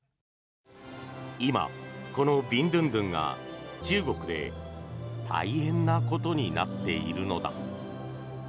今、このビンドゥンドゥンが中国で大変なことになっているのだ。